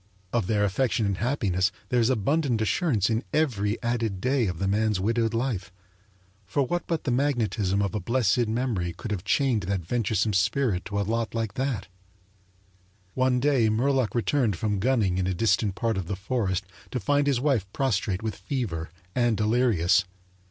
Of their affection and happiness there is abundant assurance in every added day of the man's widowed life; for what but the magnetism of a blessed memory could have chained that venturesome spirit to a lot like that? One day Murlock returned from gunning in a distant part of the forest to find his wife prostrate with fever, and delirious.